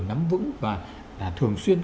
nắm vững và thường xuyên